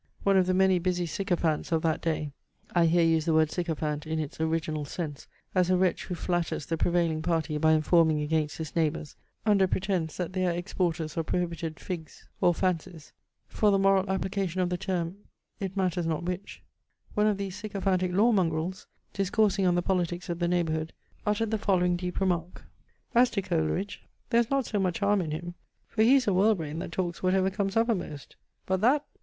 One of the many busy sycophants of that day, (I here use the word sycophant in its original sense, as a wretch who flatters the prevailing party by informing against his neighbours, under pretence that they are exporters of prohibited figs or fancies, for the moral application of the term it matters not which) one of these sycophantic law mongrels, discoursing on the politics of the neighbourhood, uttered the following deep remark: "As to Coleridge, there is not so much harm in him, for he is a whirl brain that talks whatever comes uppermost; but that